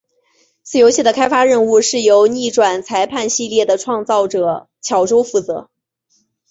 此游戏的开发任务是由逆转裁判系列的创造者巧舟负责。